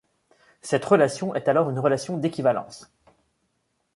Cette relation est alors une relation d'équivalence.